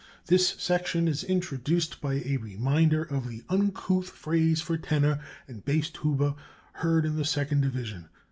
This section is introduced by a reminder of the uncouth phrase for tenor and bass tuba heard in the second division.